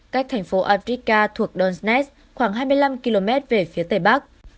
cách thành phố afrika thuộc donetsk khoảng hai mươi năm km về phía tây bắc